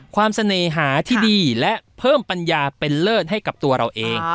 เสน่หาที่ดีและเพิ่มปัญญาเป็นเลิศให้กับตัวเราเอง